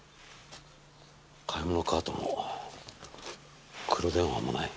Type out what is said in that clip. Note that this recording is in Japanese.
買い物カートも黒電話もない。